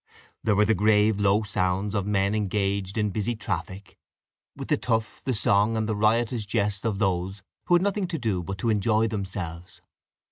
There were the grave low sounds of men engaged in busy traffic, with the tough, the song, and the riotous jest of those who had nothing to do but to enjoy themselves.